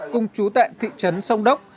cùng chú tại thị trấn sông đốc